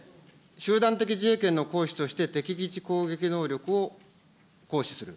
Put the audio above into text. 集団的自衛権の行使として敵基地攻撃能力を行使する。